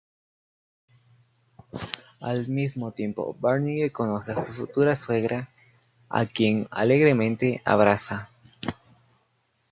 Al mismo tiempo Barney conoce a su futura suegra a quien alegremente abraza.